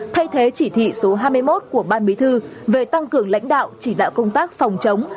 thay thế chỉ thị số hai mươi một của ban bí thư về tăng cường lãnh đạo chỉ đạo công tác phòng chống